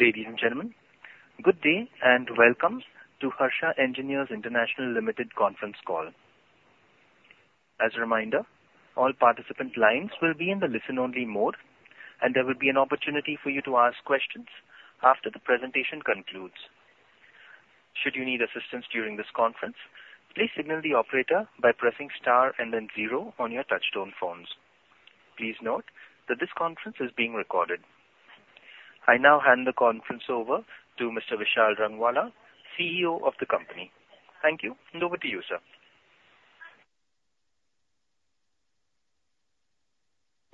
Ladies and gentlemen, good day and welcome to Harsha Engineers International Limited conference call. As a reminder, all participant lines will be in the listen-only mode, and there will be an opportunity for you to ask questions after the presentation concludes. Should you need assistance during this conference, please signal the operator by pressing star and then zero on your touch-tone phones. Please note that this conference is being recorded. I now hand the conference over to Mr. Vishal Rangwala, CEO of the company. Thank you, and over to you, sir.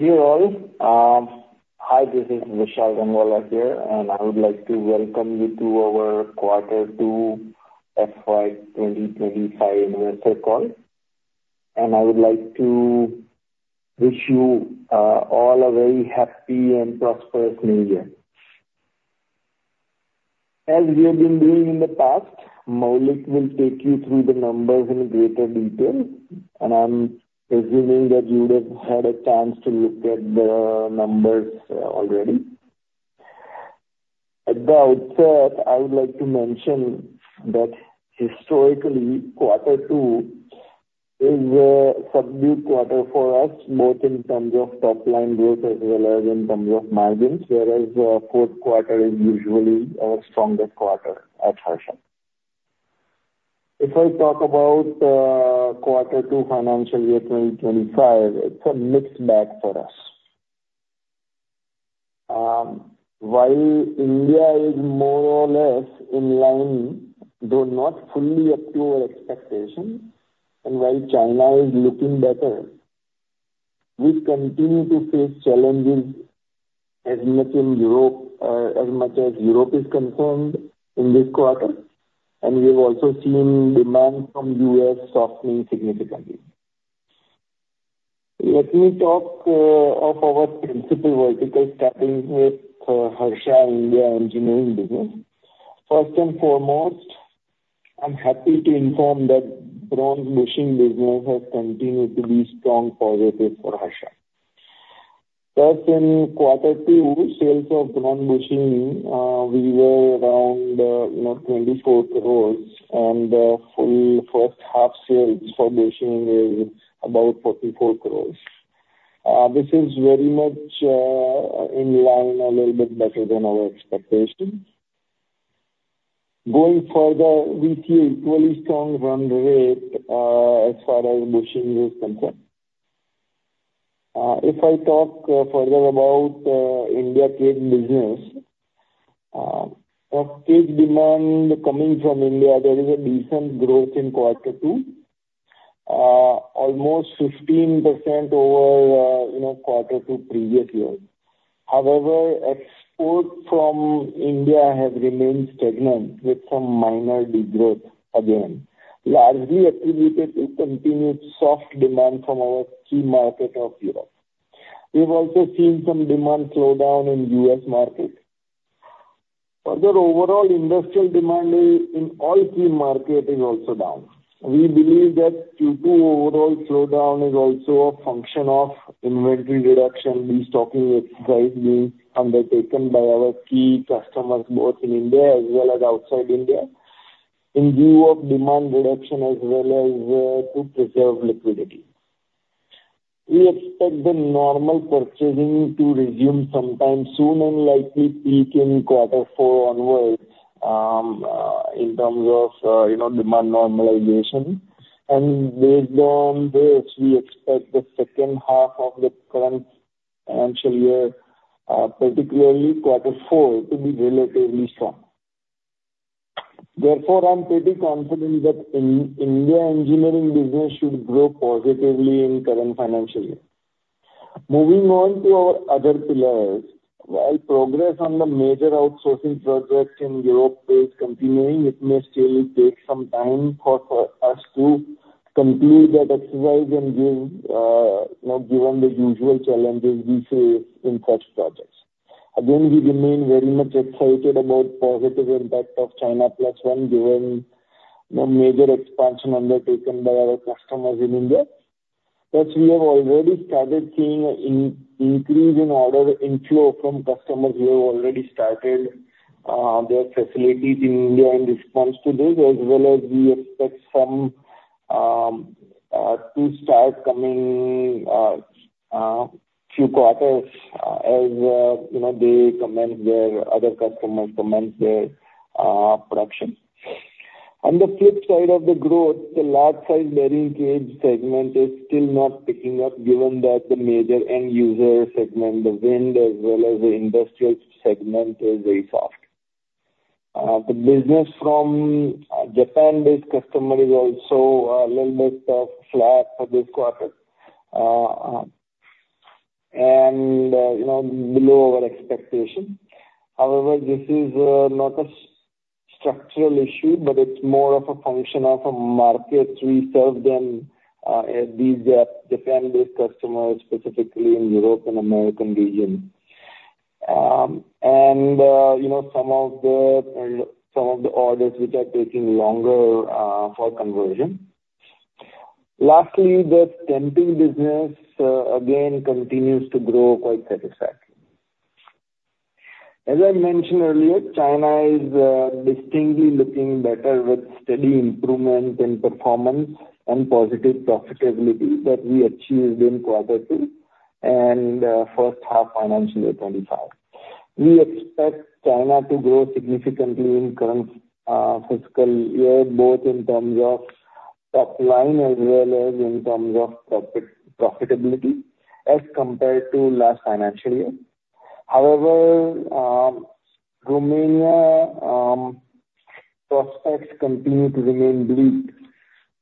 Dear all, hi, this is Vishal Rangwala here, and I would like to welcome you to our quarter two FY 2025 investor call. I would like to wish you all a very happy and prosperous New Year. As we have been doing in the past, Maulik will take you through the numbers in greater detail, and I'm presuming that you would have had a chance to look at the numbers already. At the outset, I would like to mention that historically, quarter two is a subdued quarter for us, both in terms of top-line growth as well as in terms of margins, whereas the fourth quarter is usually a stronger quarter at Harsha. If I talk about quarter two financial year 2025, it's a mixed bag for us. While India is more or less in line, though not fully up to our expectations, and while China is looking better, we continue to face challenges as much in Europe, as much as Europe is concerned in this quarter, and we have also seen demand from the U.S. softening significantly. Let me talk of our principal verticals, starting with Harsha Engineers India business. First and foremost, I'm happy to inform that bronze bushing business has continued to be strong positive for Harsha. Thus, in quarter two, sales of bronze bushing, we were around, you know, 24 crores, and the full first half sales for bushing is about 44 crores. This is very much in line a little bit better than our expectations. Going further, we see an equally strong run rate, as far as bushing is concerned. If I talk further about India cage business of cage demand coming from India, there is a decent growth in quarter two, almost 15% over, you know, quarter two previous year. However, exports from India have remained stagnant with some minor degrowth again, largely attributed to continued soft demand from our key market of Europe. We have also seen some demand slowdown in the U.S. market. Further, overall industrial demand in all key markets is also down. We believe that due to overall slowdown is also a function of inventory reduction, restocking exercise being undertaken by our key customers both in India as well as outside India, in view of demand reduction as well as to preserve liquidity. We expect the normal purchasing to resume sometime soon and likely peak in quarter four onwards, in terms of, you know, demand normalization. Based on this, we expect the second half of the current financial year, particularly quarter four, to be relatively strong. Therefore, I'm pretty confident that in India Engineering business should grow positively in the current financial year. Moving on to our other pillars, while progress on the major outsourcing projects in Europe is continuing, it may still take some time for us to complete that exercise, and, you know, given the usual challenges we face in such projects. Again, we remain very much excited about the positive impact of China Plus One, given the major expansion undertaken by our customers in India. Thus, we have already started seeing an increase in order inflow from customers who have already started their facilities in India in response to this, as well as we expect some to start coming a few quarters, as you know, they commence their production. Other customers commence their production. On the flip side of the growth, the large-size bearing cage segment is still not picking up, given that the major end user segment, the wind, as well as the industrial segment, is very soft. The business from Japan-based customers is also a little bit flat for this quarter, and you know, below our expectation. However, this is not a structural issue, but it's more of a function of markets we serve than these Japan-based customers, specifically in Europe and the American region, and you know, some of the orders which are taking longer for conversion. Lastly, the stamping business, again, continues to grow quite satisfactorily. As I mentioned earlier, China is distinctly looking better with steady improvement in performance and positive profitability that we achieved in quarter two and first half financial year 2025. We expect China to grow significantly in the current fiscal year, both in terms of top line as well as in terms of profitability as compared to last financial year. However, Romania's prospects continue to remain bleak,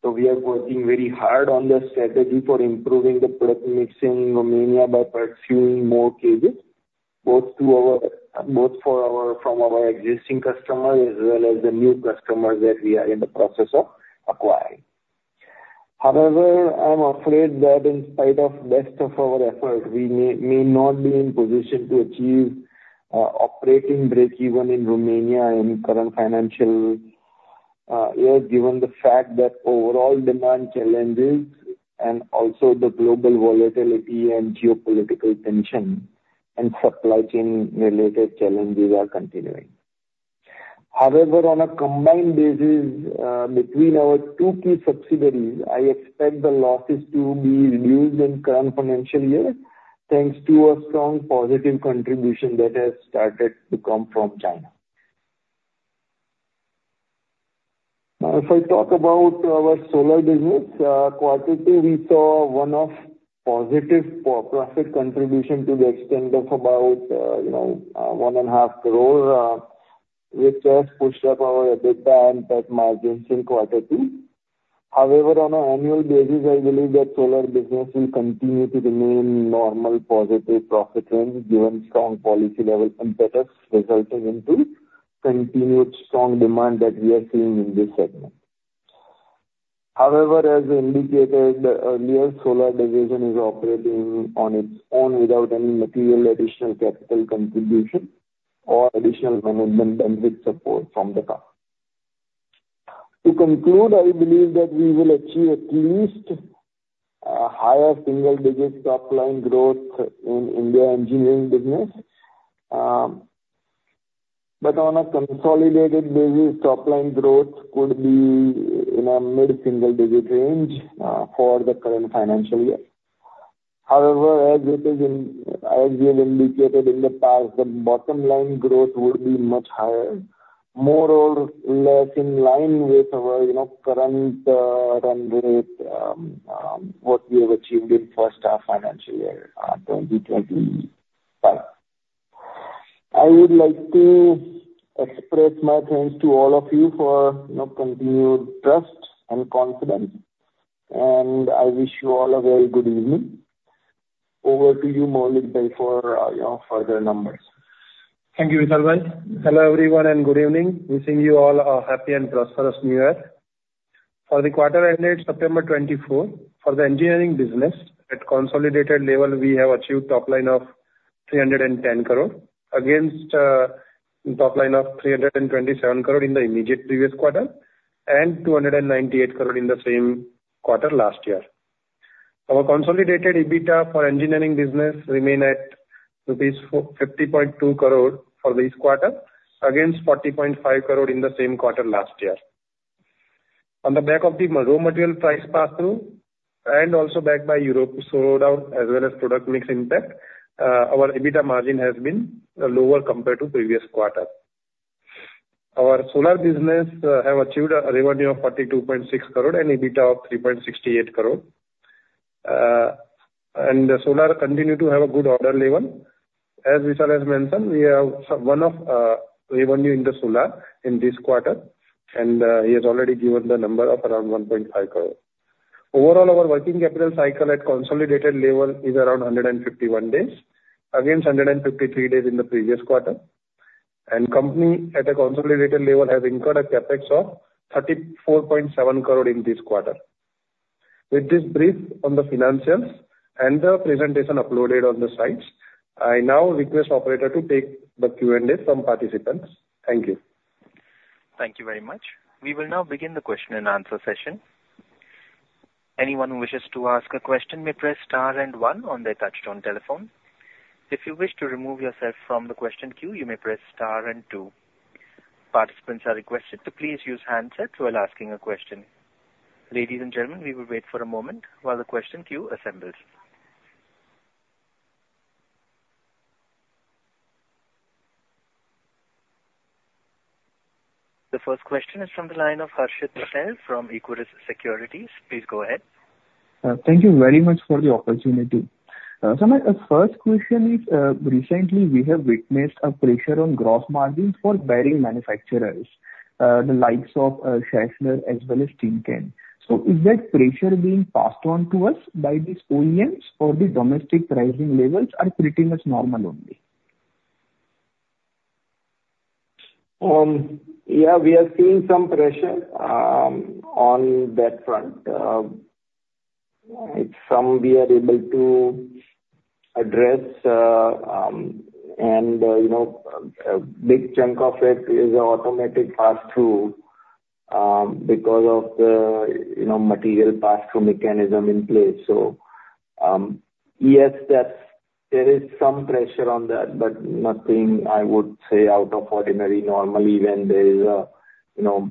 so we are working very hard on the strategy for improving the product mix in Romania by pursuing more cages both for our existing customers as well as the new customers that we are in the process of acquiring. However, I'm afraid that in spite of the best of our efforts, we may not be in position to achieve operating break-even in Romania in the current financial year, given the fact that overall demand challenges and also the global volatility and geopolitical tension and supply chain-related challenges are continuing. However, on a combined basis, between our two key subsidiaries, I expect the losses to be reduced in the current financial year thanks to a strong positive contribution that has started to come from China. Now, if I talk about our solar business, quarter two, we saw one of positive profit contributions to the extent of about, you know, 1.5 crore, which has pushed up our EBITDA and PAT margins in quarter two. However, on an annual basis, I believe that solar business will continue to remain normal positive profit trends, given strong policy-level competitors resulting in continued strong demand that we are seeing in this segment. However, as indicated earlier, solar division is operating on its own without any material additional capital contribution or additional management benefit support from the company. To conclude, I believe that we will achieve at least a higher single-digit top-line growth in India Engineering business, but on a consolidated basis, top-line growth could be in a mid-single-digit range, for the current financial year. However, as it is in, as we have indicated in the past, the bottom-line growth would be much higher, more or less in line with our, you know, current, run rate, what we have achieved in the first half financial year, 2025. I would like to express my thanks to all of you for, you know, continued trust and confidence, and I wish you all a very good evening. Over to you, Maulik, for, you know, further numbers. Thank you, Vishal Rangwala. Hello, everyone, and good evening. Wishing you all a happy and prosperous New Year. For the quarter two, September 2024, for the engineering business at consolidated level, we have achieved top line of 310 crore against top line of 327 crore in the immediate previous quarter and 298 crore in the same quarter last year. Our consolidated EBITDA for engineering business remains at rupees 50.2 crore for this quarter against 40.5 crore in the same quarter last year. On the back of the raw material price pass-through and also backed by Europe's slowdown as well as product mix impact, our EBITDA margin has been lower compared to the previous quarter. Our solar business has achieved a revenue of 42.6 crore and EBITDA of 3.68 crore, and the solar continues to have a good order level. As Vishal has mentioned, we have one-off revenue in the solar in this quarter, and he has already given the number of around 1.5 crore. Overall, our working capital cycle at consolidated level is around 151 days against 153 days in the previous quarter, and the company at a consolidated level has incurred a CapEx of 34.7 crore in this quarter. With this brief on the financials and the presentation uploaded on the sites, I now request the operator to take the Q&A from participants. Thank you. Thank you very much. We will now begin the question-and-answer session. Anyone who wishes to ask a question may press star and one on their touch-tone telephone. If you wish to remove yourself from the question queue, you may press star and two. Participants are requested to please use handsets while asking a question. Ladies and gentlemen, we will wait for a moment while the question queue assembles. The first question is from the line of Harshit Patel from Equirus Securities. Please go ahead. Thank you very much for the opportunity. So my first question is, recently we have witnessed a pressure on gross margins for bearing manufacturers, the likes of Schaeffler as well as Timken. So is that pressure being passed on to us by these OEMs or the domestic pricing levels are treating us normal only? Yeah, we are seeing some pressure on that front. It's something we are able to address, and, you know, a big chunk of it is the automatic pass-through because of the, you know, material pass-through mechanism in place. So, yes, there is some pressure on that, but nothing I would say out of the ordinary. Normally, when there is a, you know,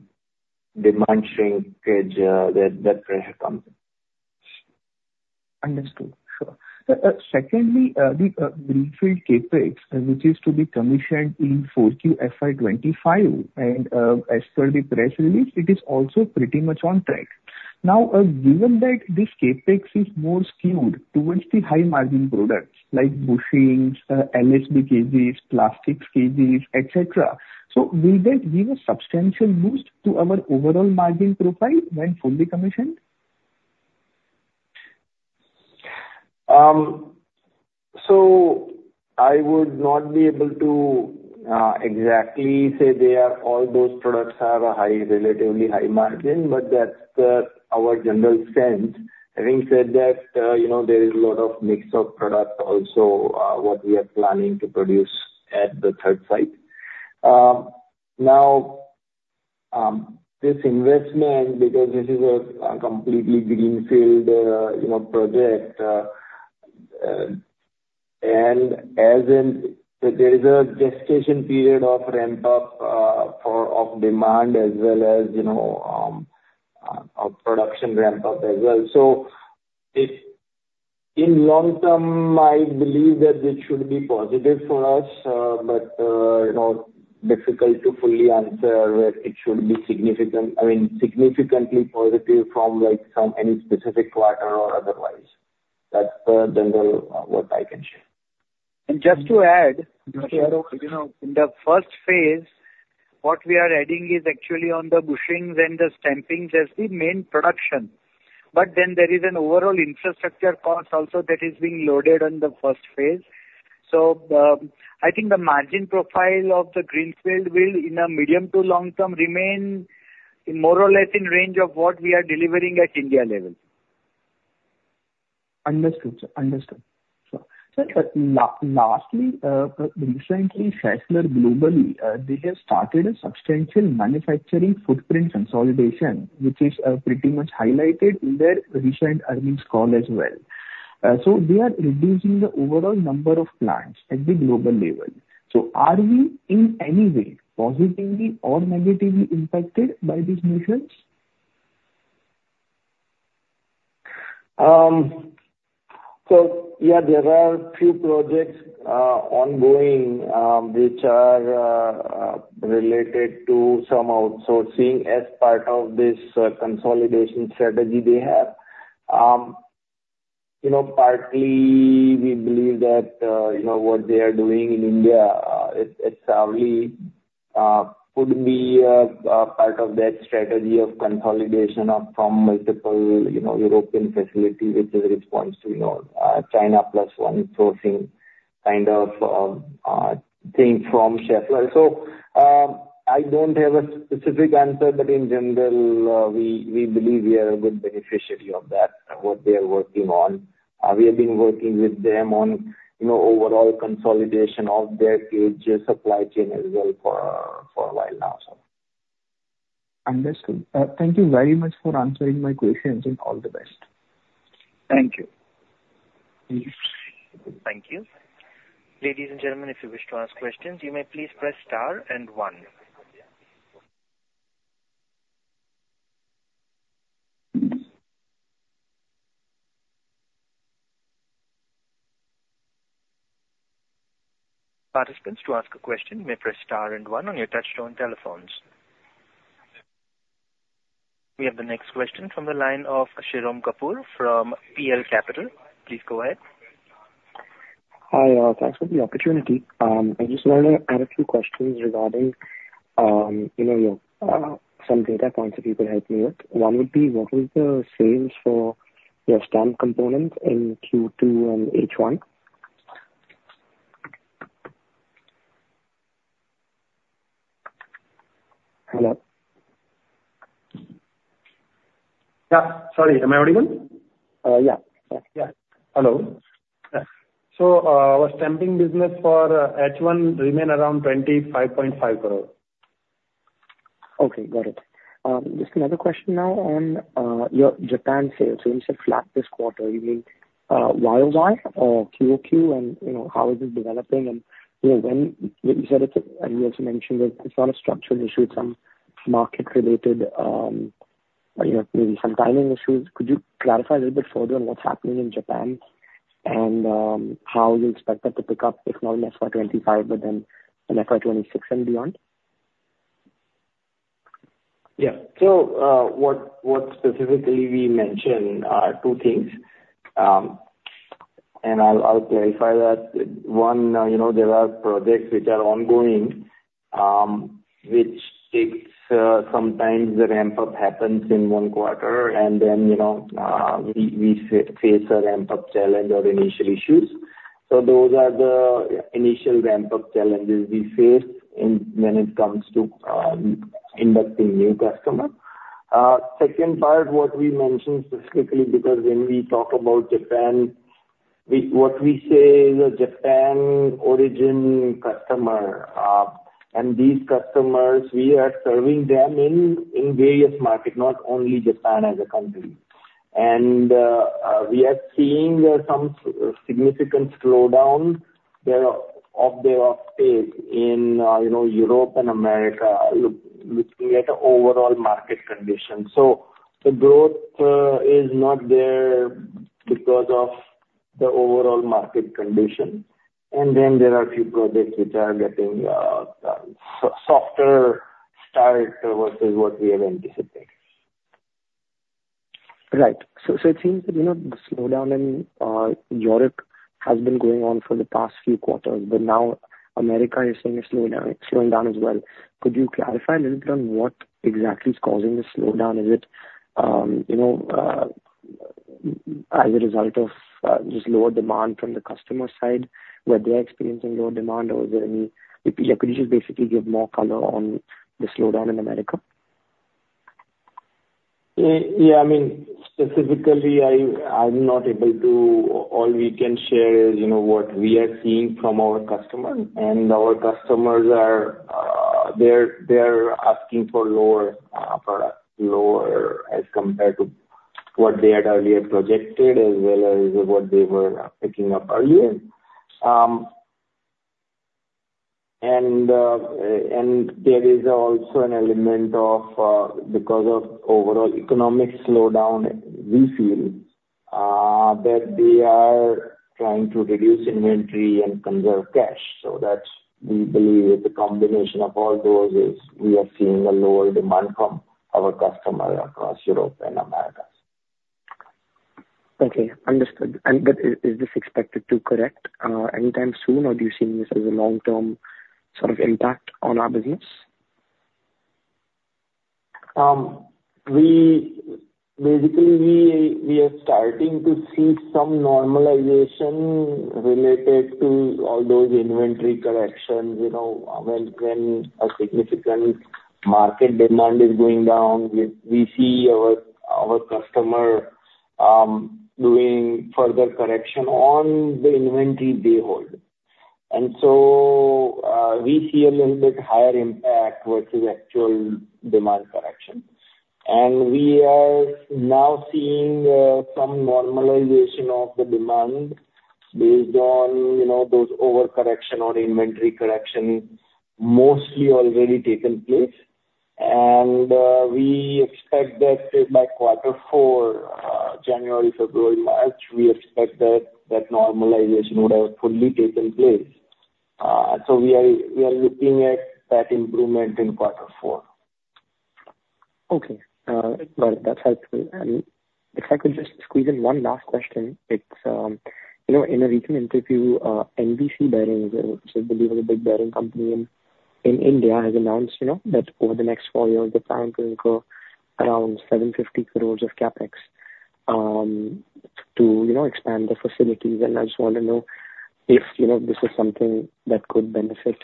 demand shrinkage, that pressure comes in. Understood. Sure. Secondly, the greenfield CapEx, which is to be commissioned in 4Q FY 2025, and as per the press release, it is also pretty much on track. Now, given that this CapEx is more skewed towards the high-margin products like bushings, LSB cages, plastic cages, etc., so will that give a substantial boost to our overall margin profile when fully commissioned? So, I would not be able to exactly say they are all those products have a high, relatively high margin, but that's our general sense. Having said that, you know, there is a lot of mix of products also, what we are planning to produce at the third site. Now, this investment, because this is a completely greenfield, you know, project, and as in there is a gestation period of ramp-up for demand as well as, you know, of production ramp-up as well. So, in the long term, I believe that it should be positive for us, but, you know, difficult to fully answer whether it should be significant, I mean, significantly positive from like some any specific quarter or otherwise. That's the general what I can share. And just to add, you know, in the first phase, what we are adding is actually on the bushings and the stampings as the main production. But then there is an overall infrastructure cost also that is being loaded on the first phase. So, I think the margin profile of the greenfield will, in a medium to long term, remain more or less in range of what we are delivering at India level. Understood. So lastly, recently, Schaeffler Group, they have started a substantial manufacturing footprint consolidation, which is pretty much highlighted in their recent earnings call as well. So they are reducing the overall number of plants at the global level. So are we in any way positively or negatively impacted by these measures? So yeah, there are a few projects ongoing which are related to some outsourcing as part of this consolidation strategy they have. You know, partly we believe that, you know, what they are doing in India, it probably could be part of that strategy of consolidation from multiple, you know, European facilities, which is a response to, you know, China Plus One sourcing kind of thing from Schaeffler. So, I don't have a specific answer, but in general, we believe we are a good beneficiary of that, what they are working on. We have been working with them on, you know, overall consolidation of their cage supply chain as well for a while now, so. Understood. Thank you very much for answering my questions and all the best. Thank you. Thank you. Ladies and gentlemen, if you wish to ask questions, you may please press star and one. Participants to ask a question may press star and one on your touch-tone telephones. We have the next question from the line of Shirom Kapur from PL Capital. Please go ahead. Hi, thanks for the opportunity. I just wanted to add a few questions regarding, you know, your, some data points that you could help me with. One would be, what was the sales for your stamping components in Q2 and H1? Hello. Yeah. Sorry, am I audible? Yeah. Yeah. Our stamping business for H1 remains around 25.5 crore. Okay. Got it. Just another question now on your Japan sales. You said flat this quarter. You mean YoY or QoQ, and you know, how is it developing, and you know, when you said it's a—and you also mentioned that it's not a structural issue, it's some market-related, you know, maybe some timing issues. Could you clarify a little bit further on what's happening in Japan and how you expect that to pick up, if not in FY 2025, but then in FY 2026 and beyond? Yeah. So, what specifically we mentioned, two things, and I'll clarify that. One, you know, there are projects which are ongoing, which takes, sometimes the ramp-up happens in one quarter, and then, you know, we face a ramp-up challenge or initial issues. So those are the initial ramp-up challenges we face when it comes to inducting new customers. Second part, what we mentioned specifically, because when we talk about Japan, we say is a Japan-origin customer, and these customers, we are serving them in various markets, not only Japan as a country. We are seeing some significant slowdown there of their offtake in, you know, Europe and America, looking at overall market conditions. So the growth is not there because of the overall market condition. Then there are a few projects which are getting softer start versus what we have anticipated. Right. So, so it seems that, you know, the slowdown in Europe has been going on for the past few quarters, but now America is seeing a slowdown, slowing down as well. Could you clarify a little bit on what exactly is causing the slowdown? Is it, you know, as a result of, just lower demand from the customer side, where they're experiencing lower demand, or is there any, yeah, could you just basically give more color on the slowdown in America? Yeah. Yeah. I mean, specifically, I'm not able to. All we can share is, you know, what we are seeing from our customers, and our customers are. They're asking for lower product, lower as compared to what they had earlier projected as well as what they were picking up earlier. And there is also an element of, because of overall economic slowdown, we feel that they are trying to reduce inventory and conserve cash. So that's, we believe, the combination of all those. We are seeing a lower demand from our customers across Europe and America. Okay. Understood. But is this expected to correct anytime soon, or do you see this as a long-term sort of impact on our business? We basically are starting to see some normalization related to all those inventory corrections, you know, when a significant market demand is going down, we see our customer doing further correction on the inventory they hold, and so we see a little bit higher impact versus actual demand correction, and we are now seeing some normalization of the demand based on, you know, those overcorrection or inventory correction mostly already taken place. And we expect that by quarter four, January, February, March, we expect that that normalization would have fully taken place, so we are looking at that improvement in quarter four. Okay. That's helpful. And if I could just squeeze in one last question, it's, you know, in a recent interview, NBC Bearings, which I believe is a big bearing company in India, has announced, you know, that over the next four years, they plan to incur around 750 crores of CapEx to, you know, expand the facilities. And I just want to know if, you know, this is something that could benefit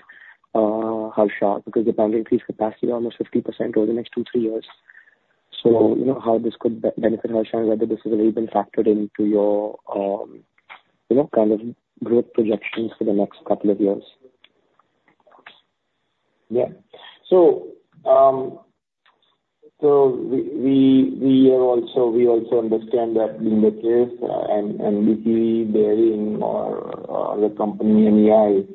Harsha, because they're increasing capacity by almost 50% over the next two, three years. So, you know, how this could benefit Harsha, and whether this has already been factored into your, you know, kind of growth projections for the next couple of years. Yeah. So, we also understand that in the case, NBC Bearings or the company NEI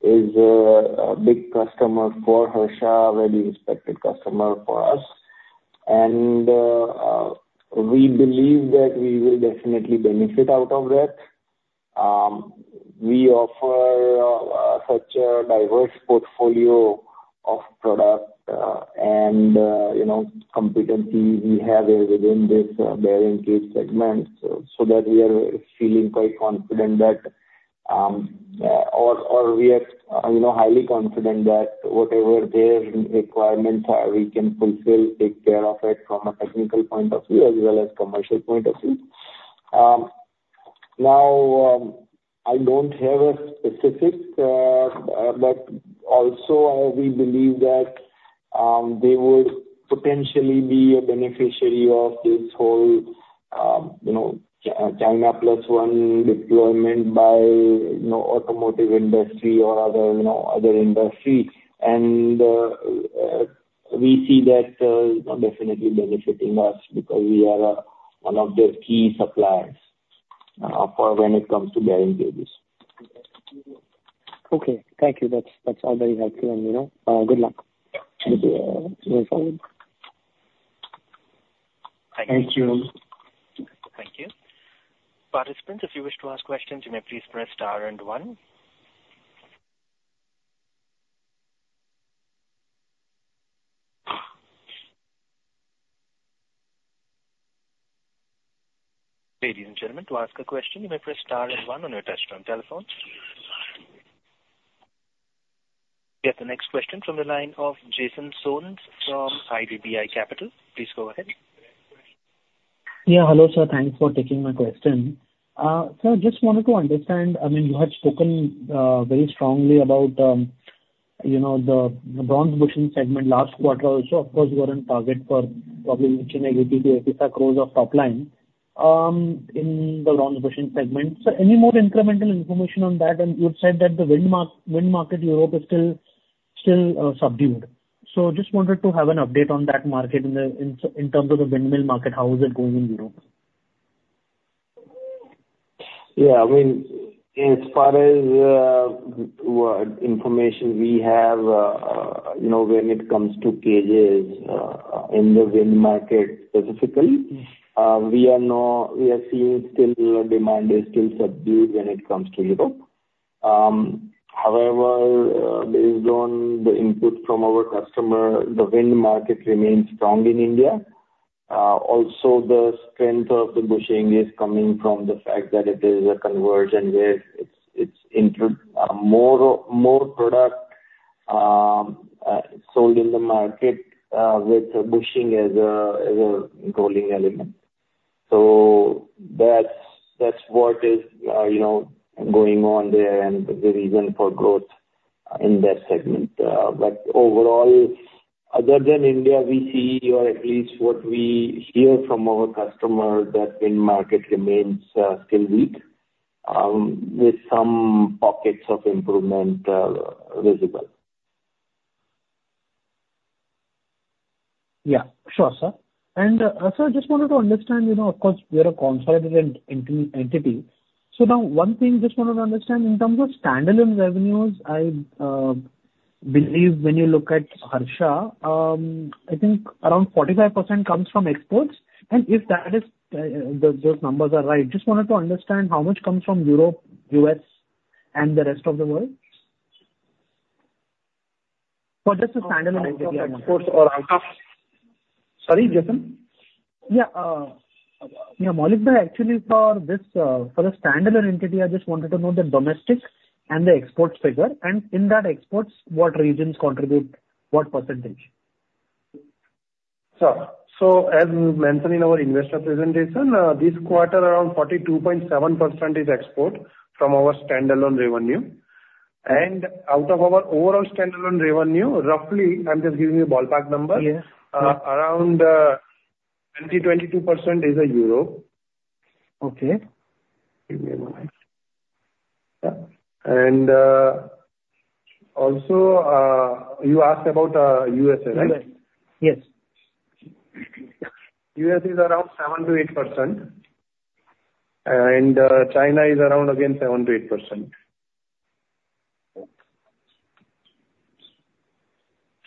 is a big customer for Harsha, a very respected customer for us. And we believe that we will definitely benefit out of that. We offer such a diverse portfolio of product, and you know, competency we have here within this bearing cage segment, so that we are feeling quite confident that or we are you know, highly confident that whatever their requirements are, we can fulfill, take care of it from a technical point of view as well as commercial point of view. Now, I don't have a specific, but also we believe that they would potentially be a beneficiary of this whole you know, China Plus One deployment by you know, automotive industry or other you know, other industry. We see that definitely benefiting us because we are one of their key suppliers for when it comes to bearing cages. Okay. Thank you. That's, that's all very helpful. And, you know, good luck with moving forward. Thank you. Thank you. Participants, if you wish to ask questions, you may please press star and one. Ladies and gentlemen, to ask a question, you may press star and one on your touch-tone telephone. We have the next question from the line of Jason Soans from IDBI Capital. Please go ahead. Yeah. Hello, sir. Thanks for taking my question. Sir, I just wanted to understand. I mean, you had spoken very strongly about, you know, the bronze bushing segment last quarter also. Of course, you were on target for probably reaching 80 crores-85 crores of top line in the bronze bushing segment. So any more incremental information on that? And you had said that the wind market in Europe is still subdued. So just wanted to have an update on that market in terms of the windmill market, how is it going in Europe? Yeah. I mean, as far as what information we have, you know, when it comes to cages, in the wind market specifically, we are seeing still demand is still subdued when it comes to Europe. However, based on the input from our customer, the wind market remains strong in India. Also, the strength of the bushing is coming from the fact that it is a convergent where it's introducing more product sold in the market, with bushing as a rolling element. So that's what is, you know, going on there and the reason for growth in that segment. But overall, other than India, we see, or at least what we hear from our customer, that wind market remains still weak, with some pockets of improvement visible. Yeah. Sure, sir. And, sir, I just wanted to understand, you know, of course, we are a consolidated entity. So now one thing I just wanted to understand, in terms of standalone revenues, I believe when you look at Harsha, I think around 45% comes from exports. And if that is, those numbers are right, just wanted to understand how much comes from Europe, U.S., and the rest of the world? For just the standalone entity. Yeah. Exports or out of? Sorry, Jason? Yeah. Yeah, Maulik, actually, for this, for the standalone entity, I just wanted to know the domestic and the exports figure, and in that exports, what regions contribute what percentage? Sure, so as mentioned in our investor presentation, this quarter, around 42.7% is export from our standalone revenue and out of our overall standalone revenue, roughly. I'm just giving you a ballpark number. Yes. Around 20%-22% is Europe. Okay. Yeah. And also, you asked about USA, right? Yes. U.S. is around 7%-8%. And China is around, again, 7%-8%. Sure.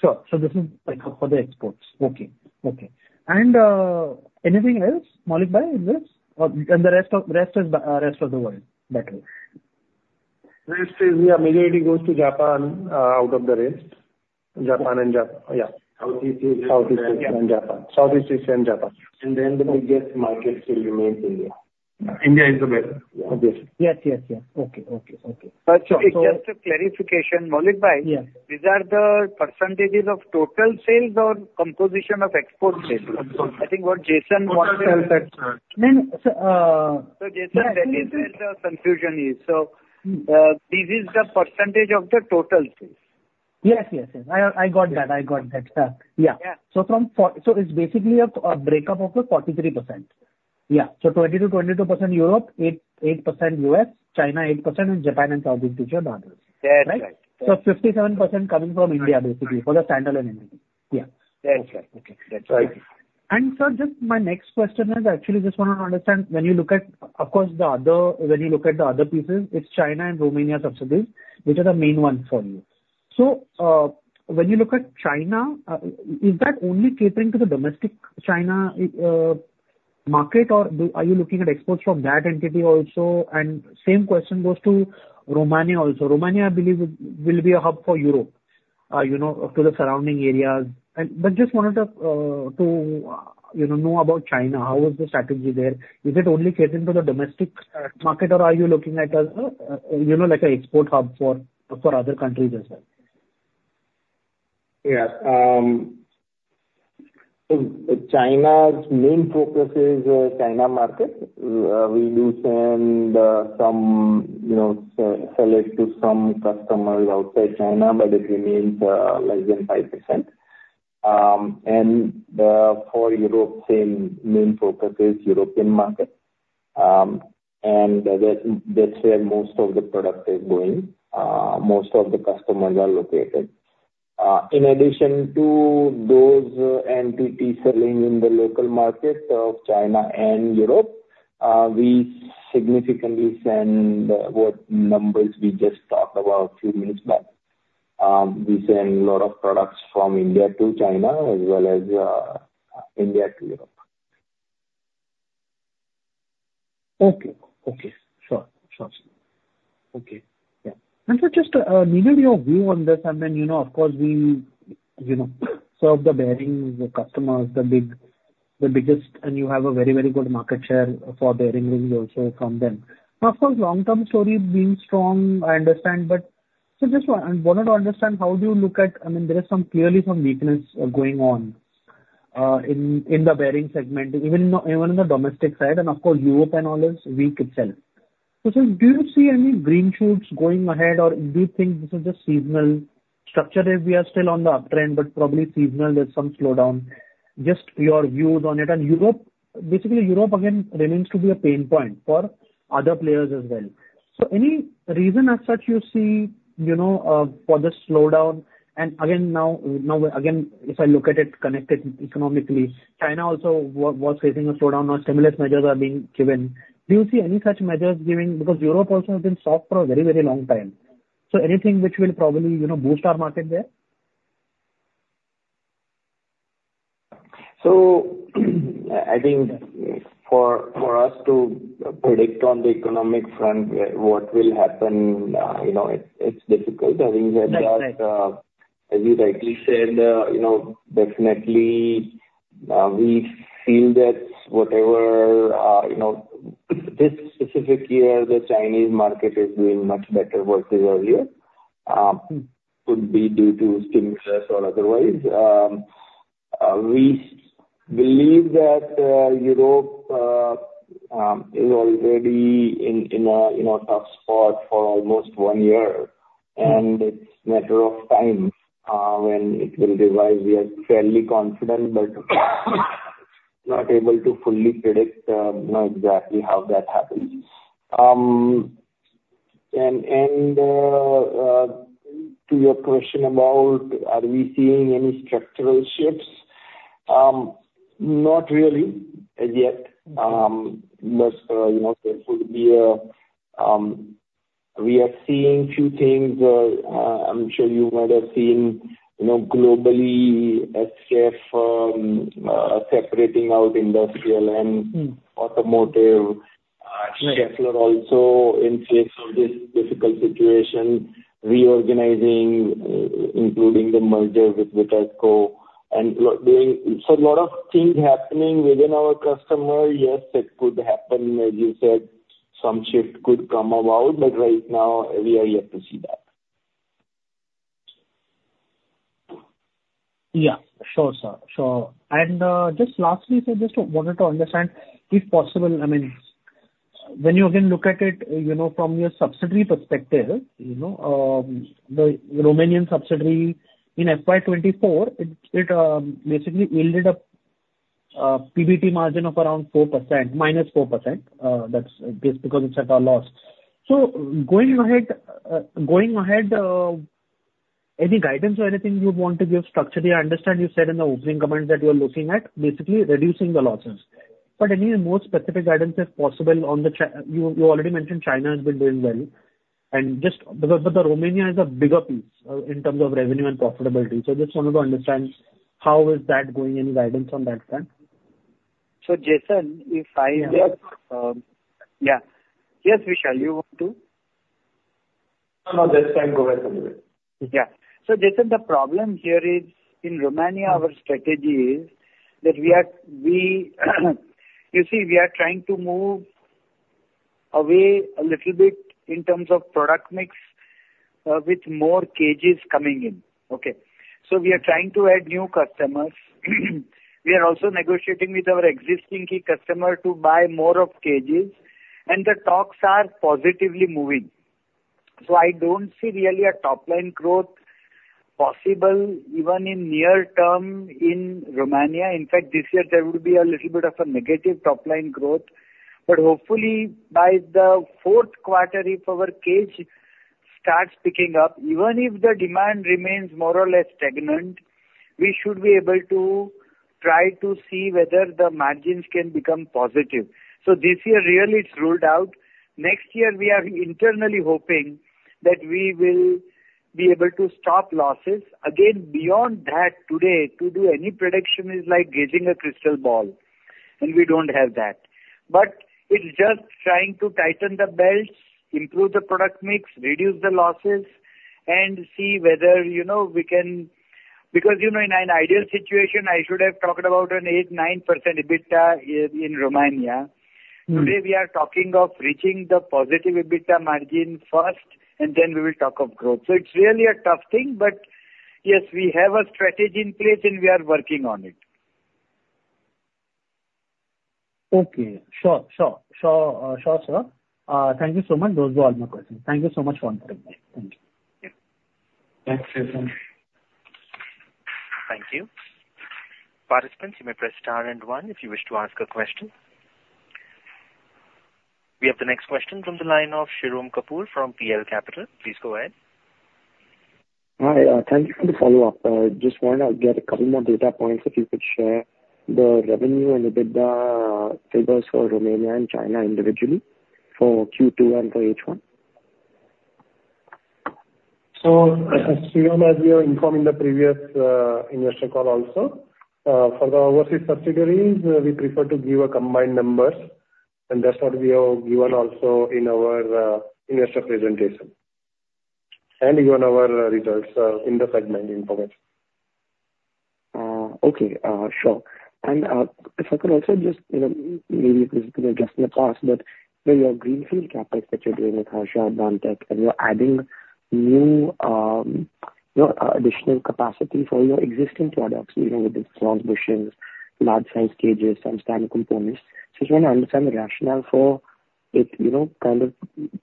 So this is for the exports. Okay. And, anything else, Maulik Jasani, in this? Or is the rest of the world better? Rest is, yeah, majority goes to Japan, out of the rest. Japan. Yeah. Southeast Asia and Japan. Southeast Asia and Japan and then the biggest market still remains India. India is the best. Yeah. Okay. Yes. Yes. Yes. Okay. Okay. Okay. But, sir, so. It's just a clarification, Maulik Jasani. Yeah. These are the percentages of total sales or composition of export sales? I think what Jason wanted. I'll tell that, sir. I mean, sir, so Jason, that is where the confusion is. So, this is the percentage of the total sales. Yes. Yes. Yes. I got that. I got that. Yeah. Yeah. It's basically a breakup of the 43%. Yeah. So 20%-22% Europe, 8% U.S., China 8%, and Japan and Southeast Asia and others. That's right. Right? So 57% coming from India, basically, for the standalone entity. Yeah. That's right. Okay. That's right. Right. Sir, just my next question is, I actually just want to understand, when you look at, of course, the other pieces, it's China and Romania subsidiaries, which are the main ones for you. So, when you look at China, is that only catering to the domestic China market, or are you looking at exports from that entity also? And same question goes to Romania also. Romania, I believe, will be a hub for Europe, you know, to the surrounding areas. But just wanted to, you know, know about China. How is the strategy there? Is it only catering to the domestic market, or are you looking at a, you know, like an export hub for other countries as well? Yes. China's main focus is China market. We do send some, you know, sell it to some customers outside China, but it remains less than 5%. For Europe, same main focus is European market. That's where most of the product is going, most of the customers are located. In addition to those entities selling in the local market of China and Europe, we significantly send what numbers we just talked about a few minutes back. We send a lot of products from India to China as well as India to Europe. Okay. Sure. Yeah. And sir, just needed your view on this. I mean, you know, of course, we, you know, serve the bearings, the customers, the biggest, and you have a very good market share for bearing rings also from them. Now, of course, long-term story being strong, I understand, but just wanted to understand how do you look at, I mean, there is clearly some weakness going on in the bearing segment, even in the domestic side, and of course, Europe and all is weak itself. So sir, do you see any green shoots going ahead, or do you think this is just seasonal structure? We are still on the uptrend, but probably seasonal, there's some slowdown. Just your views on it. Europe, basically, Europe again remains to be a pain point for other players as well. So any reason as such you see, you know, for the slowdown? And again, now, if I look at it connected economically, China also was facing a slowdown, or stimulus measures are being given. Do you see any such measures giving? Because Europe also has been soft for a very, very long time. So anything which will probably, you know, boost our market there? So I think for us to predict on the economic front what will happen, you know, it's difficult. I think that. That's right. As you rightly said, you know, definitely, we feel that whatever, you know, this specific year, the Chinese market is doing much better versus earlier, could be due to stimulus or otherwise. We believe that Europe is already in a, you know, tough spot for almost one year, and it's a matter of time when it will revive. We are fairly confident but not able to fully predict, you know, exactly how that happens. And to your question about are we seeing any structural shifts, not really as yet. But you know, there could be, we are seeing a few things. I'm sure you might have seen, you know, globally, SKF separating out industrial and automotive. Right. Schaeffler also, in the face of this difficult situation, reorganizing, including the merger with Vitesco, and a lot doing so a lot of things happening within our customer. Yes, it could happen, as you said, some shift could come about, but right now, we are yet to see that. Yeah. Sure, sir. And, just lastly, sir, just wanted to understand, if possible, I mean, when you again look at it, you know, from your subsidiary perspective, you know, the Romanian subsidiary in FY 2024, it basically yielded a PBT margin of around -4%. That's just because it's at a loss. So going ahead, any guidance or anything you'd want to give structurally? I understand you said in the opening comments that you're looking at basically reducing the losses. But any more specific guidance, if possible, on China? You already mentioned China has been doing well. And just because Romania is a bigger piece, in terms of revenue and profitability. So just wanted to understand, how is that going? Any guidance on that front? So Jason, if I may. Yes. Yeah. Yes, Vishal, you want to? No, no. That's fine. Go ahead. Yeah. So Jason, the problem here is, in Romania, our strategy is that you see, we are trying to move away a little bit in terms of product mix, with more cages coming in. Okay. So we are trying to add new customers. We are also negotiating with our existing key customer to buy more of cages, and the talks are positively moving. So I don't see really a top-line growth possible even in near term in Romania. In fact, this year, there would be a little bit of a negative top-line growth. But hopefully, by the fourth quarter, if our cage starts picking up, even if the demand remains more or less stagnant, we should be able to try to see whether the margins can become positive. So this year, really, it's ruled out. Next year, we are internally hoping that we will be able to stop losses. Again, beyond that, today, to do any prediction is like gazing at a crystal ball, and we don't have that. But it's just trying to tighten the belts, improve the product mix, reduce the losses, and see whether, you know, we can because, you know, in an ideal situation, I should have talked about an 8%-9% EBITDA in Romania. Today, we are talking of reaching the positive EBITDA margin first, and then we will talk of growth, so it's really a tough thing, but yes, we have a strategy in place, and we are working on it. Okay. Sure, sir. Thank you so much. Those were all my questions. Thank you so much for interviewing me. Thank you. Thanks, Jason. Thank you. Participants, you may press star and one if you wish to ask a question. We have the next question from the line of Shirom Kapur from PL Capital. Please go ahead. Hi. Thank you for the follow-up. Just wanted to get a couple more data points if you could share the revenue and EBITDA figures for Romania and China individually for Q2 and for H1? As we have informed in the previous investor call also, for the overseas subsidiaries, we prefer to give combined numbers, and that's what we have given also in our investor presentation and even our results, in the segment information. Okay. Sure. If I could also just, you know, maybe this has been addressed in the past, but for your greenfield CapEx that you're doing with Harsha Advantek, and you're adding new, you know, additional capacity for your existing products, you know, with these stampings, large-sized cages, some standard components. So I just want to understand the rationale for it, you know, kind of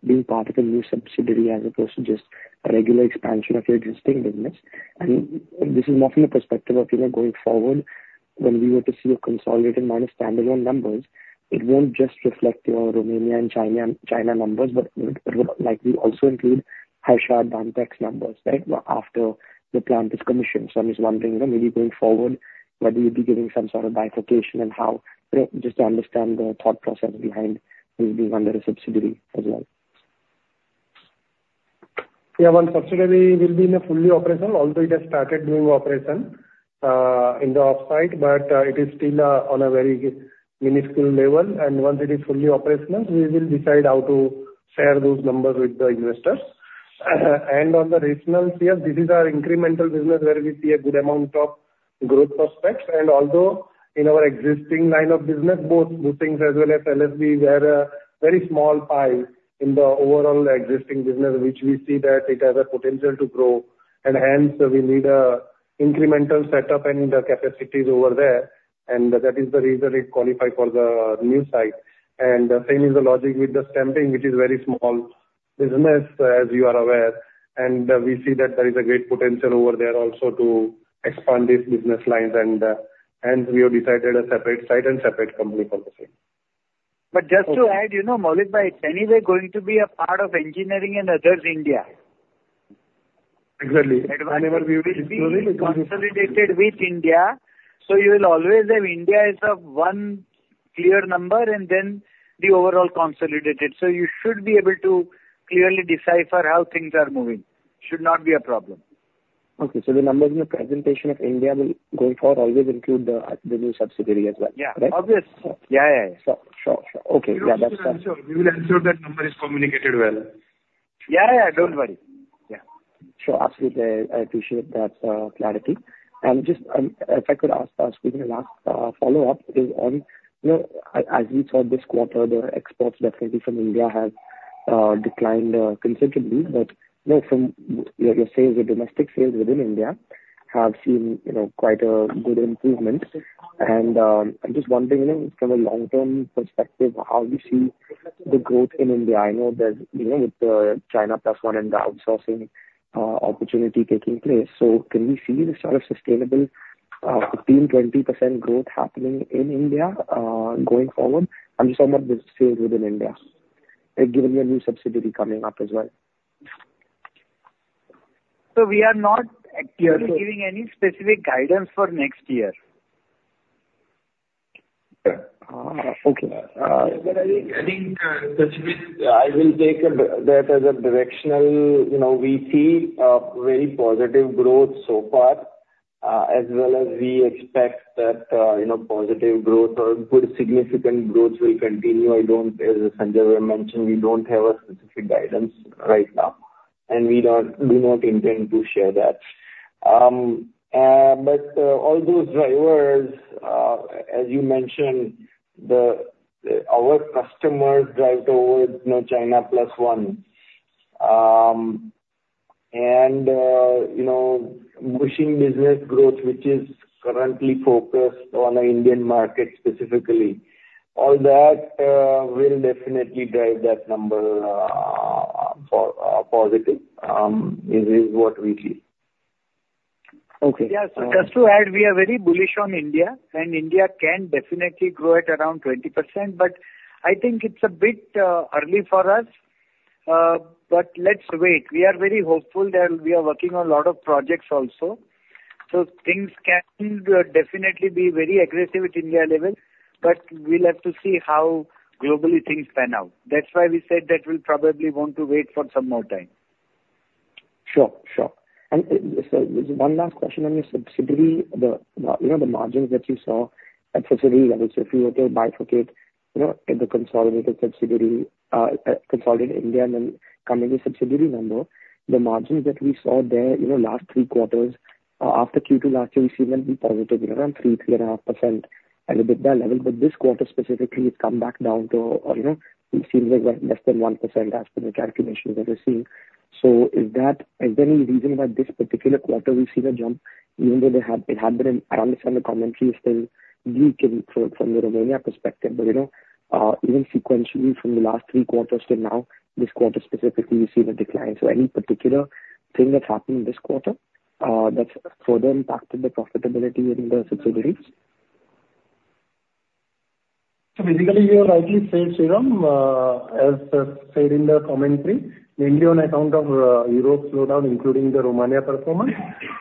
being part of a new subsidiary as opposed to just a regular expansion of your existing business. This is more from the perspective of, you know, going forward, when we were to see a consolidated minus standalone numbers, it won't just reflect your Romania and China and China numbers, but it would likely also include Harsha Advantek's numbers, right, after the plant is commissioned. So I'm just wondering, you know, maybe going forward, whether you'd be giving some sort of bifurcation and how, you know, just to understand the thought process behind who's being under a subsidiary as well? Yeah. Our subsidiary will be fully operational, although it has started doing operations in the off-site, but it is still on a very minuscule level. And once it is fully operational, we will decide how to share those numbers with the investors. And on the rationale, yes, this is our incremental business where we see a good amount of growth prospects. And although in our existing line of business, both bushings as well as LSB, we are a very small pie in the overall existing business, which we see that it has a potential to grow. And hence, we need an incremental setup and the capacities over there. And that is the reason it qualified for the new site. And same is the logic with the stamping, which is a very small business, as you are aware. And we see that there is a great potential over there also to expand these business lines. And, hence, we have decided a separate site and separate company for the same. But just to add, you know, Maulik Jasani, anyway, going to be a part of engineering and others in India. Exactly. It will be consolidated with India. So you will always have India as one clear number, and then the overall consolidated. So you should be able to clearly decipher how things are moving. Should not be a problem. Okay. So the numbers in the presentation of India will going forward always include the new subsidiary as well. Yeah. Right? Obvious. Yeah, yeah, yeah. Sure, sure. Okay. Yeah, that's fine. We will ensure that number is communicated well. Yeah, yeah. Don't worry. Yeah. Sure. Absolutely. I appreciate that, clarity. And just, if I could ask, excuse me, last follow-up is on, you know, as we saw this quarter, the exports definitely from India have declined considerably. But, you know, from your sales or domestic sales within India have seen, you know, quite a good improvement. And, I'm just wondering, you know, from a long-term perspective, how do you see the growth in India? I know there's, you know, with the China Plus One and the outsourcing opportunity taking place. So can we see this sort of sustainable 15%-20% growth happening in India, going forward? I'm just talking about the sales within India, given the new subsidiary coming up as well. We are not actually giving any specific guidance for next year. Okay. Okay. I think I will take that as a directional. You know, we see very positive growth so far, as well as we expect that, you know, positive growth or good significant growth will continue. As Sanjay Bhai mentioned, we don't have a specific guidance right now, and we do not intend to share that. But all those drivers, as you mentioned, our customers drive towards, you know, China Plus One. And you know, pushing business growth, which is currently focused on the Indian market specifically, all that will definitely drive that number positive, is what we see. Okay. Yeah. So just to add, we are very bullish on India, and India can definitely grow at around 20%. But I think it's a bit early for us, but let's wait. We are very hopeful that we are working on a lot of projects also. So things can definitely be very aggressive at India level, but we'll have to see how globally things pan out. That's why we said that we'll probably want to wait for some more time. Sure, sure. And so just one last question on your subsidiary, the you know, the margins that you saw at subsidiary level, so if we were to bifurcate, you know, at the consolidated subsidiary, consolidated India and then coming to subsidiary number, the margins that we saw there, you know, last three quarters, after Q2 last year, we see them be positive, you know, around 3%-3.5% at EBITDA level. But this quarter specifically, it's come back down to, you know, it seems like less than 1% as per the calculations that we're seeing. So, is there any reason why this particular quarter we see the jump, even though it had been in? I understand the commentary is still weak and from the Romania perspective, but, you know, even sequentially from the last three quarters to now, this quarter specifically, we see the decline. So, any particular thing that's happened in this quarter that's further impacted the profitability in the subsidiaries? So basically, you're rightly saying, Shirom, as said in the commentary, mainly on account of Europe slowdown, including the Romania performance,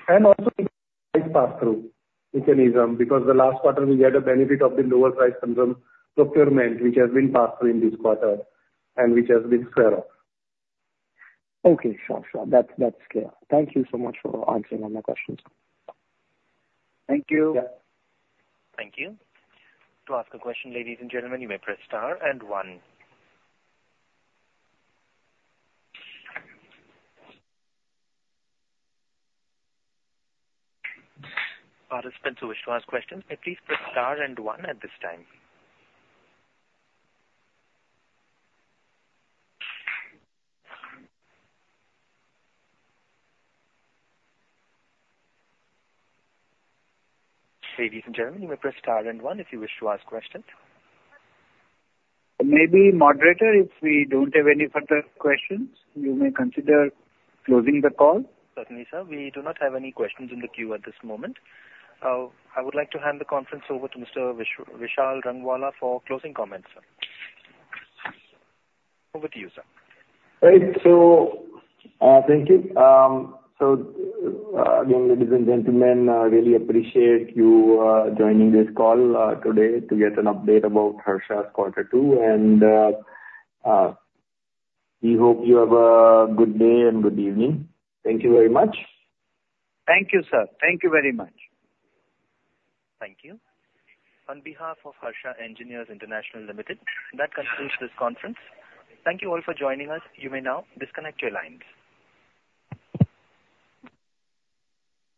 and also the price pass-through mechanism, because the last quarter, we get a benefit of the lower price from some procurement, which has been passed through in this quarter and which has been squared off. Okay. Sure, sure. That's, that's clear. Thank you so much for answering all my questions. Thank you. Yeah. Thank you. To ask a question, ladies and gentlemen, you may press star and one. Participants who wish to ask questions, may please press star and one at this time. Ladies and gentlemen, you may press star and one if you wish to ask questions. Maybe, Moderator, if we don't have any further questions, you may consider closing the call. Certainly, sir. We do not have any questions in the queue at this moment. I would like to hand the conference over to Mr. Vishal Rangwala for closing comments, sir. Over to you, sir. All right. So, thank you. So, again, ladies and gentlemen, really appreciate you joining this call today to get an update about Harsha's quarter two. And, we hope you have a good day and good evening. Thank you very much. Thank you, sir. Thank you very much. Thank you. On behalf of Harsha Engineers International Limited, that concludes this conference. Thank you all for joining us. You may now disconnect your lines.